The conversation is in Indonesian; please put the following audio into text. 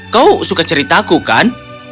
kau tidak bisa menikahimu kau tidak bisa menikahimu